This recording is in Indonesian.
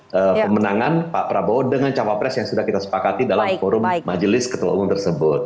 di pemenangan pak prabowo dengan cawapres yang sudah kita sepakati dalam forum majelis ketua umum tersebut